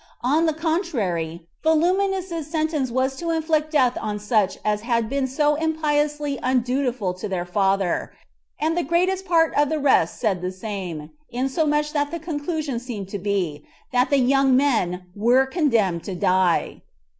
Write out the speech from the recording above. On the contrary, Volumnius's sentence was to inflict death on such as had been so impiously undutiful to their father; and the greatest part of the rest said the same, insomuch that the conclusion seemed to be, that the young men were condemned to die.